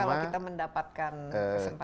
kalau kita mendapatkan kesempatan